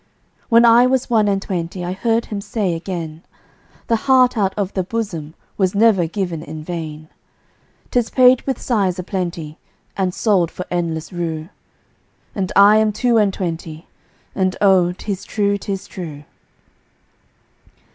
When I was one and twentyI heard him say again,'The heart out of the bosomWas never given in vain;'Tis paid with sighs a plentyAnd sold for endless rue.'And I am two and twenty, And oh, 'tis true, 'tis true.